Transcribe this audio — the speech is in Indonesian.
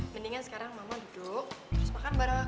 mendingan sekarang mama duduk terus makan bareng